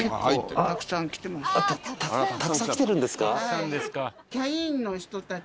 あったたくさん来てるんですか。